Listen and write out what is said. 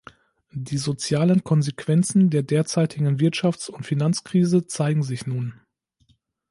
Die sozialen Konsequenzen der derzeitigen Wirtschafts- und Finanzkrise zeigen sich nun.